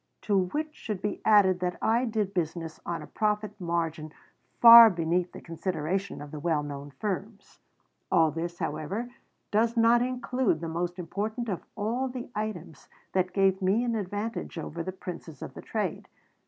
To which should be added that I did business on a profit margin far beneath the consideration of the well known firms. All this, however, does not include the most important of all the items that gave me an advantage over the princes of the trade.